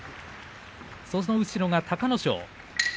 その後ろが隆の勝。